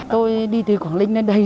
tôi đi từ quảng linh lên đây